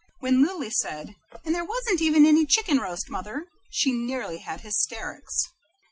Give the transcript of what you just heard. When Lily said, "And there wasn't even any chickenroast, mother," she nearly had hysterics.